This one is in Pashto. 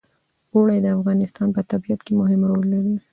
اوړي د افغانستان په طبیعت کې مهم رول لري.